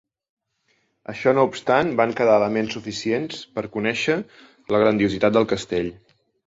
Això no obstant, van quedar elements suficients per conèixer la grandiositat del castell.